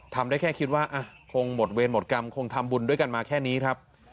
ทำได้แค่คิดว่าคงหมดเวรหมดกรรมคงทำบุญด้วยกันมาแค่นี้ครับ